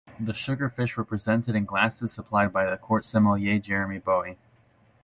The sugar fish were presented in glasses supplied by the court sommelier Jerome Bowie.